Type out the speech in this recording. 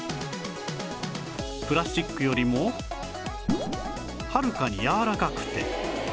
プラスチックよりもはるかにやわらかくて